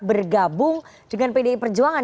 bergabung dengan pdi perjuangan